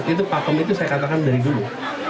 itu pakem itu saya katakan dari dulu